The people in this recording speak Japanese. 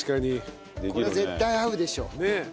これは絶対合うでしょ。